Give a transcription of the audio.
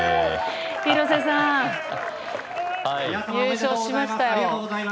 廣瀬さん、優勝しましたよ。